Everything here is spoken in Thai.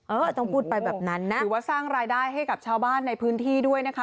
เออต้องพูดไปแบบนั้นนะถือว่าสร้างรายได้ให้กับชาวบ้านในพื้นที่ด้วยนะคะ